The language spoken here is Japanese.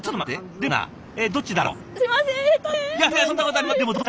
でもどっちだろう？